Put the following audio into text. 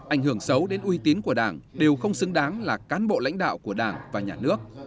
ảnh hưởng xấu đến uy tín của đảng đều không xứng đáng là cán bộ lãnh đạo của đảng và nhà nước